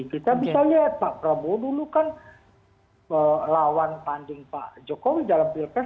kita bisa lihat pak prabowo dulu kan lawan tanding pak jokowi dalam pilpres